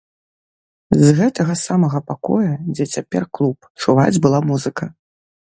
З гэтага самага пакоя, дзе цяпер клуб, чуваць была музыка.